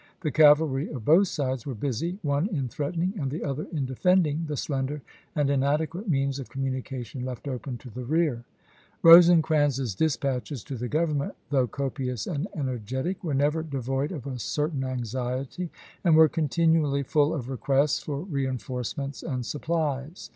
The cavalry of both sides were busy, one in threatening and the other in defending the slender and inadequate means of communication left open to the rear. Rosecrans's dispatches to the Government, though copious and energetic, were never devoid of a cer tain anxiety, and were continually full of requests for reenforcements and supplies.